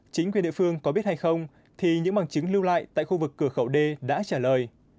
chính quyền địa phương có biết hay không thì những bằng chứng lưu lại tại khu vực cửa khẩu d đã trả lời